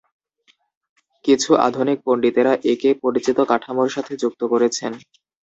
কিছু আধুনিক পণ্ডিতরা একে পরিচিত কাঠামোর সাথে যুক্ত করেছেন।